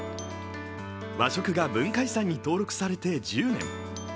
和食が文化遺産に登録されて１０年。